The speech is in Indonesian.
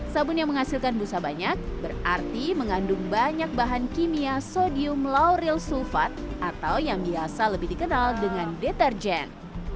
sabun yang menghasilkan busa banyak berarti mengandung banyak bahan kimia sodium lauryl sulfat atau yang biasa lebih dikenal dengan deterjen